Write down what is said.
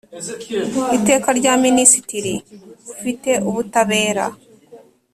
Iteka rya Minisitiri ufite ubutabera